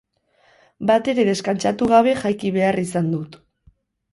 Batere deskantsatu gabe jaiki behar izan dut.